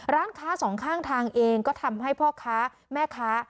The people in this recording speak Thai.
ร้านค้าสองข้างทางเองก็ทำให้พ่อค้าแม่ค้า